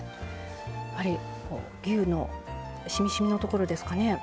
やっぱり牛のしみしみのところですかね。